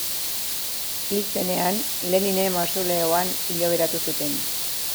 Hil zenean Leninen mausoleoan hilobiratu zuten.